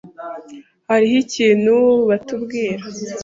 Hariho ikintu batatubwira.